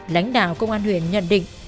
lãnh đạo công an huyền nhận định